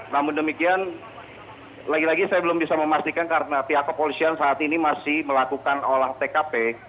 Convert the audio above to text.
namun demikian lagi lagi saya belum bisa memastikan karena pihak kepolisian saat ini masih melakukan olah tkp